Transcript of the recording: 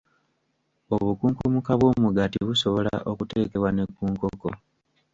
Obukunkumuka bw'omugaati busobola okuteekebwa ne ku nkoko.